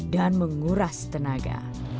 dan menguras tenaga